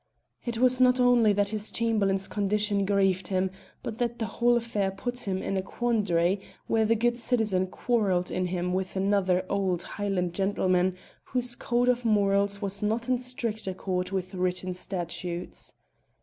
It was not only that his Chamberlain's condition grieved him, but that the whole affair put him in a quandary where the good citizen quarrelled in him with another old Highland gentleman whose code of morals was not in strict accord with written statutes.